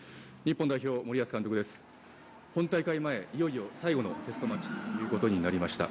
本大会前、いよいよ最後のテストマッチということになりました。